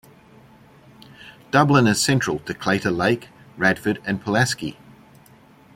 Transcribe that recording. Dublin is central to Claytor Lake, Radford, and Pulaski.